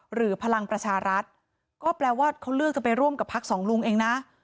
หรือพลังประชารัฐก็แปลว่าเขาเลือกจะไปร่วมกับพักสองลุงเองนะ